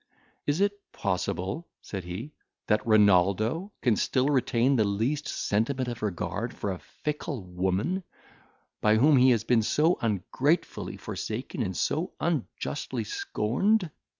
"Is it possible," said he, "that Renaldo can still retain the least sentiment of regard for a fickle woman, by whom he has been so ungratefully forsaken and so unjustly scorned?